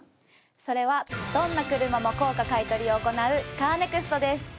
それはどんな車も高価買い取りを行うカーネクストです。